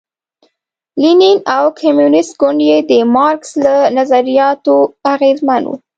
لینین او کمونېست ګوند یې د مارکس له نظریاتو اغېزمن و.